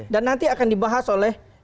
dan nanti akan dibahas oleh